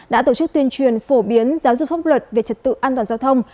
đã tổ chức tuyên truyền phổ biến giáo dục pháp luật về trật tự an toàn giao thông